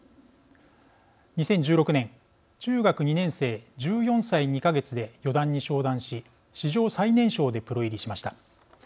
２０１６年中学２年生１４歳２か月で四段に昇段し史上最年少でプロ入りしました。